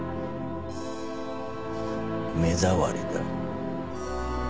目障りだ